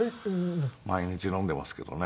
毎日飲んでいますけどね。